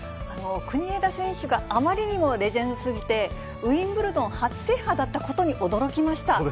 国枝選手があまりにもレジェンドすぎて、ウィンブルドン初制覇だったことに驚きました。